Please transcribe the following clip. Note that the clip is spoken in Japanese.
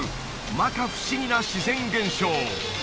摩訶不思議な自然現象